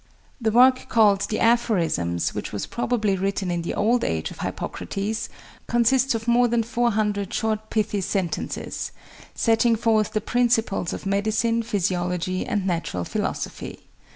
The work called "The Aphorisms," which was probably written in the old age of Hippocrates, consists of more than four hundred short pithy sentences, setting forth the principles of medicine, physiology, and natural philosophy.